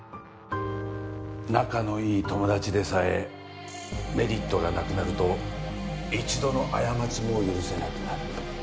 仲のいい友達でさえメリットがなくなると一度の過ちも許せなくなる。